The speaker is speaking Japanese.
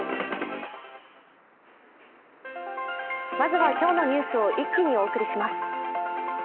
まずは今日のニュースを一気にお届けします。